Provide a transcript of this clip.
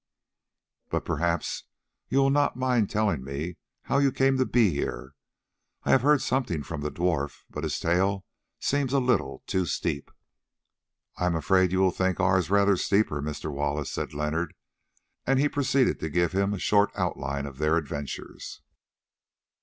But perhaps you will not mind telling me how you came to be here. I have heard something from the dwarf, but his tale seems a little too steep." "I am afraid you will think ours rather steeper, Mr. Wallace," said Leonard, and he proceeded to give him a short outline of their adventures.